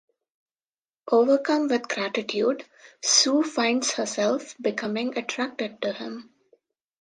Overcome with gratitude, Sue finds herself becoming attracted to him.